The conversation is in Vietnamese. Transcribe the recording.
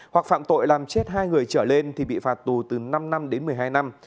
hoặc phạm tội làm chết hai người trở lên thì bị phạt tù từ năm năm đến một mươi hai năm